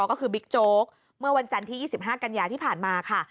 ก็คือบิ๊กโจ๊กเมื่อวันจันทร์ที่๒๕กันยาที่ผ่านมาค่ะ